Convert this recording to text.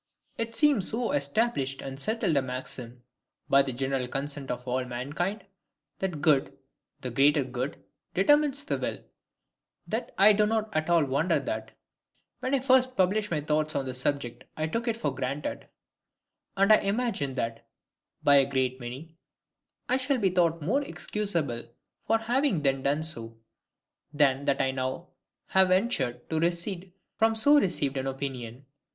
It seems so established and settled a maxim, by the general consent of all mankind, that good, the greater good, determines the will, that I do not at all wonder that, when I first published my thoughts on this subject I took it for granted; and I imagine that, by a great many, I shall be thought more excusable for having then done so, than that now I have ventured to recede from so received an opinion.